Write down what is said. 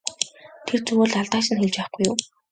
Тэр зүгээр л алдааг чинь хэлж байгаа байхгүй юу!